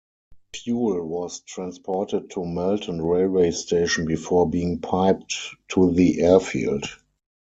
Fuel was transported to Melton railway station before being piped to the airfield.